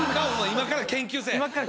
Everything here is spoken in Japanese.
今から研究せえ